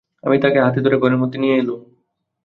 আমি তাকে হাতে ধরে ঘরের মধ্যে নিয়ে এলুম।